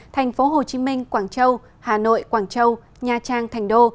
thành phố hồ chí minh quảng châu hà nội quảng châu nha trang thành đô